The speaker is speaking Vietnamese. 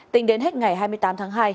tính đến hết ngày hai mươi tám tháng hai